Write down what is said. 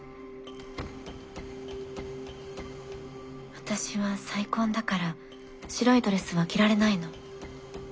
私は再婚だから白いドレスは着られないの。